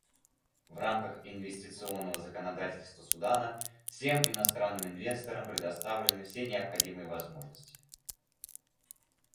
В рамках инвестиционного законодательства Судана всем иностранным инвесторам предоставлены все необходимые возможности.